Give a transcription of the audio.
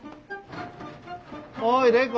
おい玲子。